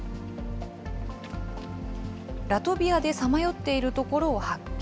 ラトビアでさまよっているところを発見。